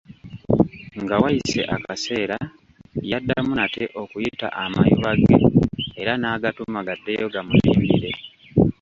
Nga wayise akaseera, yaddamu nate okuyita amayuba ge era n'agatuma gaddeyo gamuyimbire.